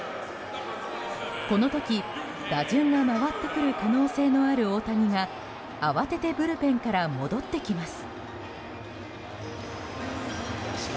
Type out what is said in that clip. この時、打順が回ってくる可能性がある大谷は慌ててブルペンから戻ってきます。